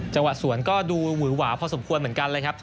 จังหวะสวนก็ดูหวือหวาพอสมควรเหมือนกันเลยครับ